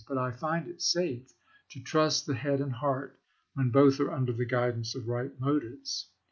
But I find it safe to trust the head and heart when both are under the guid ance of right motives.